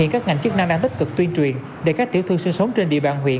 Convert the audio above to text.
các ngành chức năng đang tích cực tuyên truyền để các tiểu thương sinh sống trên địa bàn huyện